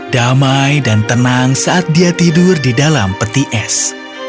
damai dan tenang saat dia tidur di dalam peti es